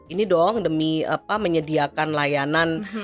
ini dong demi menyediakan layanan